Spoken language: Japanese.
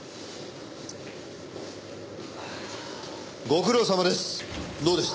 ご苦労さまです。